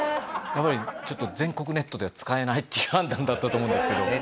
やっぱりちょっと全国ネットでは使えないっていう判断だったと思うんですけど。